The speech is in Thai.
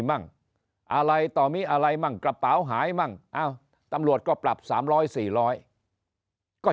มั่งอะไรต่อมีอะไรมั่งกระเป๋าหายมั่งตำรวจก็ปรับ๓๐๐๔๐๐ก็